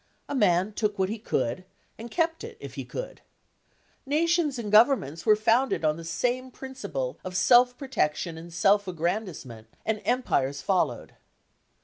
A man took what he could and kept it if he could. Nations and governments were founded on the same principle of self protection and self aggrandisement, and empires followed.